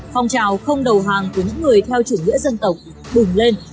phong trào không đầu hàng của những người theo chủ nghĩa dân tộc bùng lên